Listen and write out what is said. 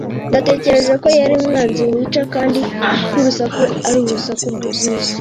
natekereje ko yari umwanzi wica kandi ko urusaku ari urusaku ruzwi.